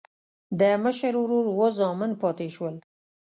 د مشر ورور اووه زامن پاتې شول.